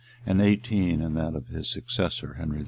and eighteen in that of his successor, Henry V.